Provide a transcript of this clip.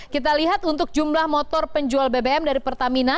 kita lihat untuk jumlah motor penjual bbm dari pertamina